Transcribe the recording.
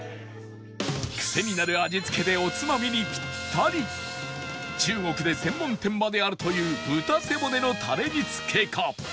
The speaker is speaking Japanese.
クセになる味付けでおつまみにピッタリ中国で専門店まであるという豚背骨のタレ煮付けか